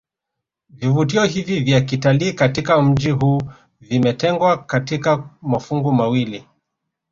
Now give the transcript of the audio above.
Vivutio hivi vya kitalii katika mji huu vimetengwa katika mafungu mawili